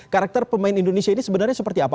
karakter pemain indonesia ini sebenarnya seperti apa